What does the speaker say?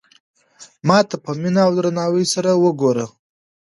ما ته په مینه او درناوي سره وگوره.